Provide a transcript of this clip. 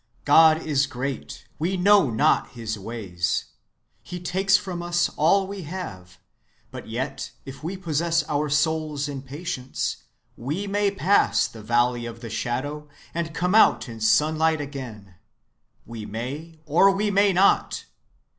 God is great, we know not his ways. He takes from us all we have, but yet if we possess our souls in patience, we may pass the valley of the shadow, and come out in sunlight again. We may or we may not!...